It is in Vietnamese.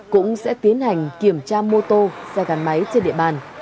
cũng sẽ tiến hành kiểm tra mô tô xe gắn máy trên địa bàn